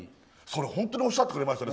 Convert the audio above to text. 本当におっしゃってくれましたね。